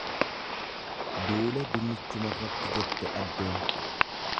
Duule dinnichumarratti jette dhaddeen.